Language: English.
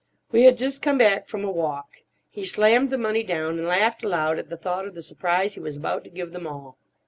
We had just come back from a walk. He slammed the money down, and laughed aloud at the thought of the surprise he was about to give them all.